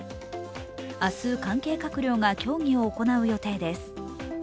明日、関係閣僚が協議を行う予定です。